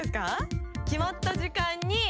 決まった時間に。